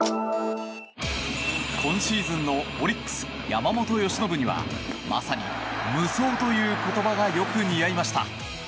今シーズンのオリックス、山本由伸にはまさに、無双という言葉がよく似合いました。